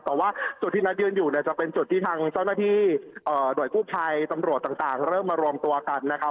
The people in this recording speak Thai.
แต่ว่าจุดที่นัทยืนอยู่เนี่ยจะเป็นจุดที่ทางเจ้าหน้าที่หน่วยกู้ภัยตำรวจต่างเริ่มมารวมตัวกันนะครับ